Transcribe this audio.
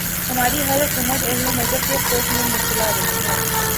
ہماری ہر حکومت اہل مذہب کے خوف میں مبتلا رہی ہے۔